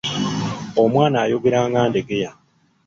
Omwana ayogera nga Endegeya.